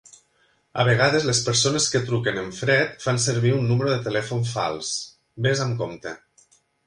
A vegades les persones que truquen en fred fan servir un número de telèfon fals. Vés amb compte.